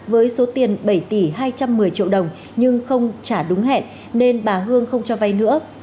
với số tiền bảy tỷ hai trăm một mươi triệu đồng nhưng không trả đúng hẹn nên bà hương không cho vay nữa